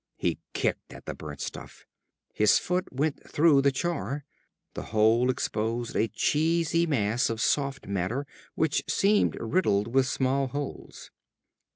He kicked at the burnt stuff. His foot went through the char. The hole exposed a cheesy mass of soft matter which seemed riddled with small holes.